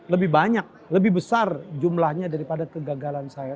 lebih banyak lebih besar jumlahnya daripada kegagalan saya